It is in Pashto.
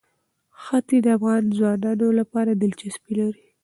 ښتې د افغان ځوانانو لپاره دلچسپي لري.